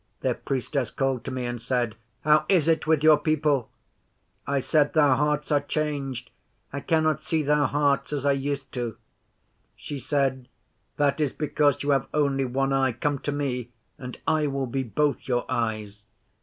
Their Priestess called to me and said, "How is it with your people?" I said "Their hearts are changed. I cannot see their hearts as I used to." She said, "That is because you have only one eye. Come to me and I will be both your eyes."